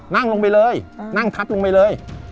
นั่งลงไปเลยนั่งทับลงไปเลย